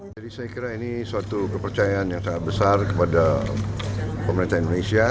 saya kira ini suatu kepercayaan yang sangat besar kepada pemerintah indonesia